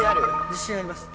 自信あります。